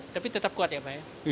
tapi tetap kuat ya pak ya